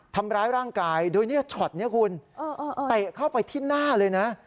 ทำร้ายร่างกายโดยเนี่ยช็อตนี้คุณเตะเข้าไปที่หน้าเลยนะ